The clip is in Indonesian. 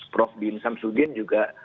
prof bin samsudin juga